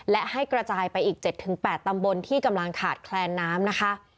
และให้กระจายไปอีก๗๘ตำบลที่กำลังขาดแคลนน้ำนะคะ